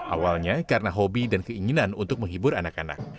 awalnya karena hobi dan keinginan untuk menghibur anak anak